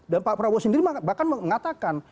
dan pak prabowo sendiri bahkan mengatakan